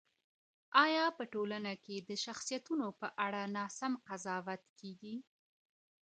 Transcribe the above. ایا په ټولنه کي د شخصیتونو په اړه ناسم قضاوت کېږي؟